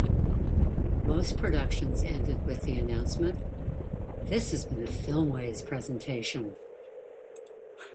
Most productions ended with the announcement, "This has been a Filmways presentation".